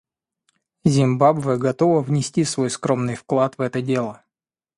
Зимбабве готова внести свой скромный вклад в это дело.